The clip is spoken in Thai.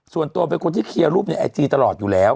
ส่วนตัวเป็นคนที่เคลียร์รูปในไอจีตลอดอยู่แล้ว